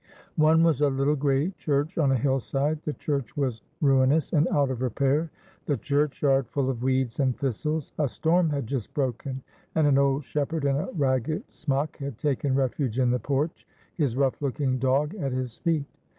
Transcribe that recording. One was a little grey church on a hill side; the church was ruinous and out of repair, the churchyard full of weeds and thistles; a storm had just broken, and an old shepherd in a ragged smock had taken refuge in the porch, his rough looking dog at his feet.